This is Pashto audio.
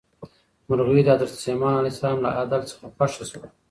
مرغۍ د حضرت سلیمان علیه السلام له عدل څخه خوښه شوه.